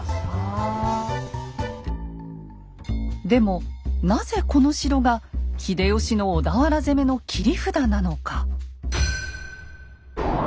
でもなぜこの城が秀吉の小田原攻めの切り札なのか。